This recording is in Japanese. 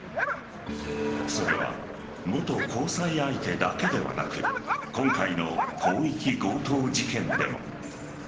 それは元交際相手だけではなく今回の広域強盗事件でも。